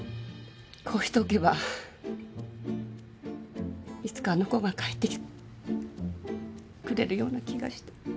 こうしておけばいつかあの子が帰ってきてくれるような気がして